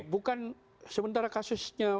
bukan sementara kasusnya